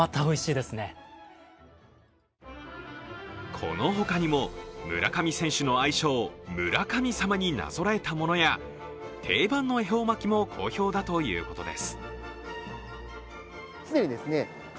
このほかにも村上選手の愛称・村神様になぞらえたものや定番の恵方巻きも好評だということです。